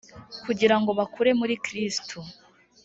kugirango bakure muri kristo